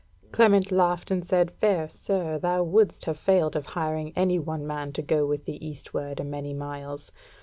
Clement laughed and said: "Fair sir, thou wouldst have failed of hiring any one man to go with thee east ward a many miles.